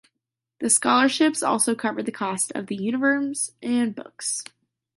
The scholarships also covered the cost of the uniforms and books.